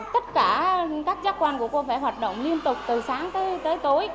tất cả các giác quan của cô phải hoạt động liên tục từ sáng tới tối